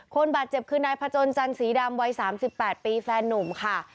คนบาดเจ็บคือนายพจนจันสีดำวัย๓๘ปีแฟนนุ่มค่ะ